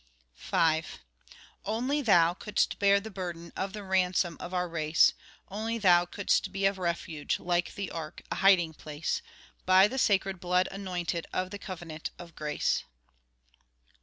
V Only thou could'st bear the burden Of the ransom of our race; Only thou could'st be a refuge, Like the ark, a hiding place, By the sacred blood anointed, Of the Covenant of Grace.